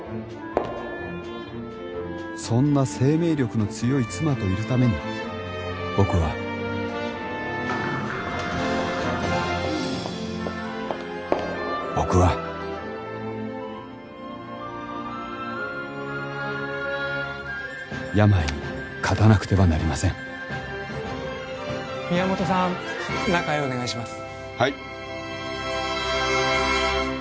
そんな生命力の強い妻といるために僕は僕は病に勝たなくてはなりません宮本さん中へお願いします